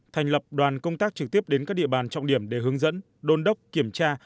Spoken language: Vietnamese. thành lập đoàn công tác trực tiếp đến các địa bàn trọng điểm để hướng dẫn đôn đốc kiểm tra